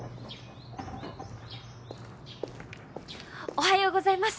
おはようございます。